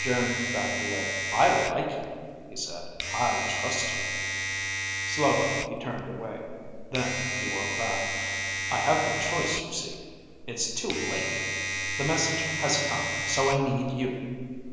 Geryn backed away. "I like you," he said. "I trust you." Slowly he turned away. Then he whirled back. "I have no choice, you see. It's too late. The message has come. So I need you."